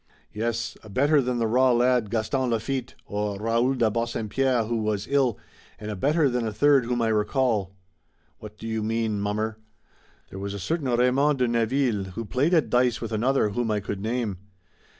"Yes, a better than the raw lad, Gaston Lafitte, or Raoul de Bassempierre who was ill, and a better than a third whom I recall." "What do you mean, mummer?" "There was a certain Raymond de Neville who played at dice with another whom I could name.